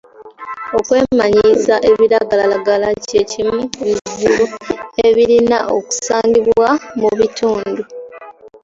Okwemanyiiza ebiragalalagala kye kimu ku bizibu ebirina okusangibwa mu bitundu.